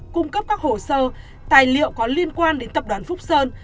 cung cấp các hồ sơ tài liệu có liên quan đến tập đoàn phúc sơn